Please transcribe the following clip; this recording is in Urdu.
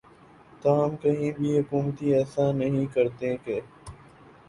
تاہم کہیں بھی حکومتیں ایسا نہیں کرتیں کہ